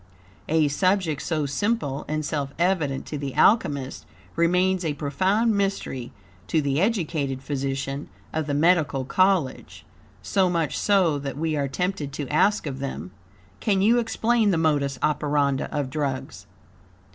A subject so simple and self evident to the Alchemist, remains a profound mystery to the educated physician of the medical college; so much so that, we are tempted to ask of them: "Can you explain the modus operandi of drugs?"